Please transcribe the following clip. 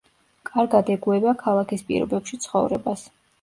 კარგად ეგუება ქალაქის პირობებში ცხოვრებას.